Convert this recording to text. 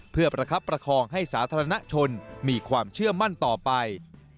เพื่อประคับประคองให้สาธารณชนมีความเชื่อมั่นต่อไป